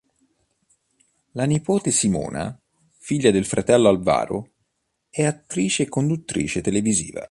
La nipote Simona, figlia del fratello Alvaro, è attrice e conduttrice televisiva.